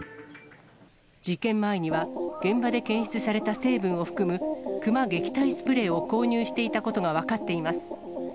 事件前には、現場で検出された成分を含む、クマ撃退スプレーを、購入していたことが分かっています。